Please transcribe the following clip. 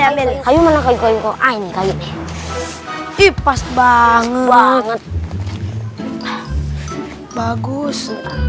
hai hai mana kayaknya kok ini kayaknya ipas banget banget bagus